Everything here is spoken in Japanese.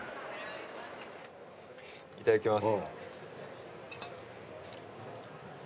いただきます。